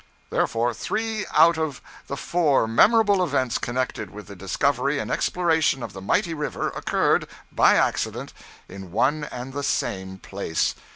Therefore, three out of the four memorable events connected with the discovery and exploration of the mighty river, occurred, by accident, in one and the same place.